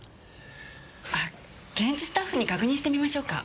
あっ現地スタッフに確認してみましょうか？